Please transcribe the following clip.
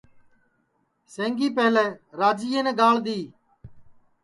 سینگی پیہلے راجِئین گاݪ دؔی